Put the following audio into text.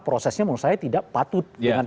prosesnya menurut saya tidak patut dengan